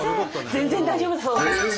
全然大丈夫だそうです。